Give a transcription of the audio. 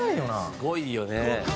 「すごいよね」